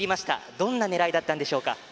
どんな狙いだったんでしょうか？